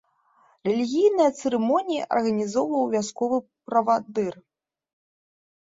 Рэлігійныя цырымоніі арганізоўваў вясковы правадыр.